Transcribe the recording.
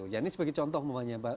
ya ini sebagai contoh memangnya